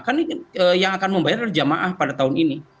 kan yang akan membayar adalah jama'ah pada tahun ini